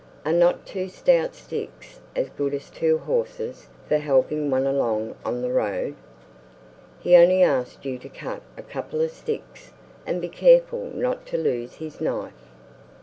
"Are not two stout sticks as good as two horses for helping one along on the road? He only asked you to cut a couple of sticks and be careful not to lose his knife."